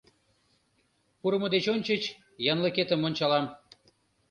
— Пурымо деч ончыч янлыкетым ончалам.